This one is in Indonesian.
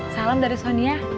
salam dari sonia